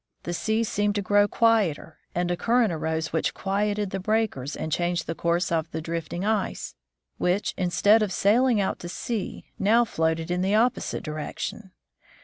The sea seemed to grow quieter, and a current arose which quieted the breakers and changed the course of the drifting ice, which, instead of sailing out to sea, now floated in the opposite direction.